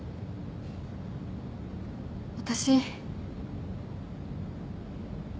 私。